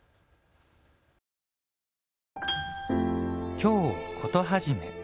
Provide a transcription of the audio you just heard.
「京コトはじめ」